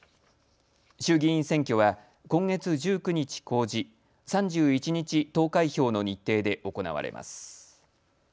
衆議院選挙は今月１９日公示、３１日投開票の日程で行われます。